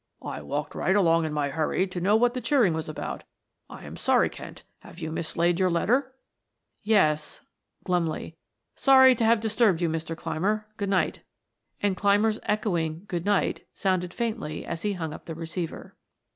"I walked right along in my hurry to know what the cheering was about. I am sorry, Kent; have you mislaid your letter?" "Yes," glumly. "Sorry to have disturbed you, Mr. Clymer; good night," and Clymer's echoing, "Good night" sounded faintly as he hung up the receiver.